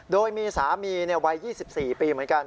โดยมีสามีวัย๒๔ปีเหมือนกัน